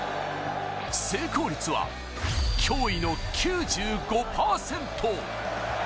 成功率は驚異の９５％。